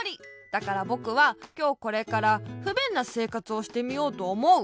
だからぼくはきょうこれからふべんなせいかつをしてみようとおもう。